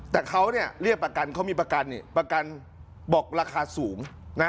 แต่เขาเนี่ยเรียกประกันเขามีประกันนี่ประกันบอกราคาสูงนะ